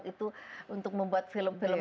itu untuk membuat film film